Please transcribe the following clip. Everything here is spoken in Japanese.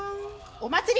お祭り！